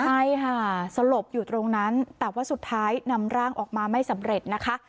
ใช่ค่ะสลบอยู่ตรงนั้นแต่ว่าสุดท้ายนำร่างออกมาไม่สำเร็จนะคะ